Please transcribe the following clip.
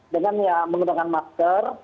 dengan menggunakan masker